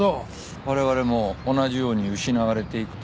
我々も同じように失われていくと。